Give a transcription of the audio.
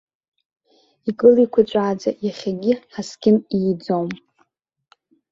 Икылеиқәаҵәааӡа иахьагьы ҳаскьын ииӡом.